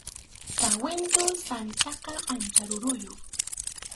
Sawintu sachʼaqa aycha ruruyuq